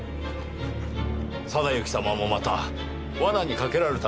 定行様もまた罠にかけられたのです。